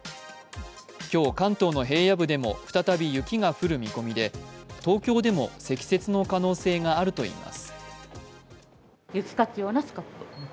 今日、関東の平野部でも再び雪が降る見込みで、東京でも積雪の可能性があるといいます。